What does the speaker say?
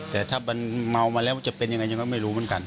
แต่ถ้ามันเมามาแล้วจะเป็นยังไงยังไงไม่รู้เหมือนกัน